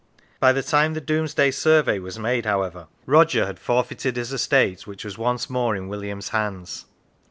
By the time the Domesday survey was made, however, Roger had forfeited his estate, which was 61 Lancashire once more in William's hands.